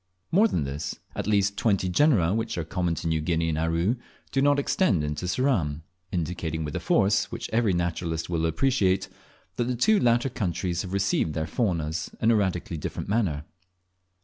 More than this, at least twenty genera, which are common to New Guinea and Aru, do not extend into Ceram, indicating with a force which every naturalist will appreciate, that the two latter countries have received their faunas in a radically different manner.